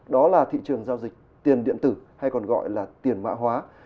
đó là thị trường giao dịch tiền điện tử hay còn gọi là tiền mã hóa